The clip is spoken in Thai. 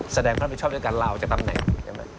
แสดงความผิดชอบและการเล่าจะตำแหน่งใช่ไหม